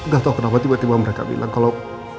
gak tau kenapa tiba tiba mereka bilang kalau